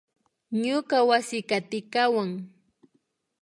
Ñuka wasikan tikawan